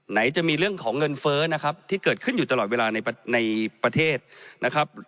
ไหนจะมีเรื่องของเงินเฟ้อนะครับที่เกิดขึ้นอยู่ตลอดเวลาในประเทศนะครับ